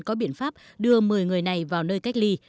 có biện pháp đưa một mươi người này vào nơi cách ly